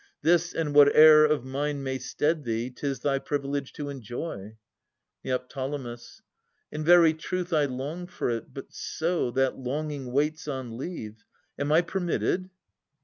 This and whate'er of mine May stead thee, 'tis thy privilege to enjoy. Neo. In very truth I long for it, but so. That longing waits on leave. Am I permitted